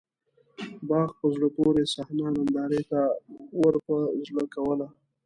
باغ په زړه پورې صحنه نندارې ته ورپه زړه کوله.